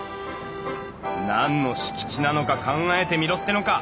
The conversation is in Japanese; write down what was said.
何の敷地なのか考えてみろってのか！